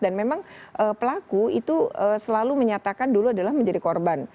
dan memang pelaku itu selalu menyatakan dulu adalah menjadi korban